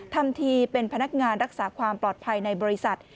ทำทีเป็นพนักงานรักษาความปลอดภัยในบริษัท